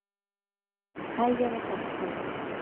هر یوه ته خپل